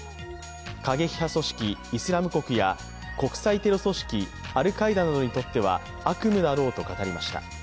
過激派組織・イスラム国や国際テロ組織・アルカイダなどにとっては悪夢だろうと語りました。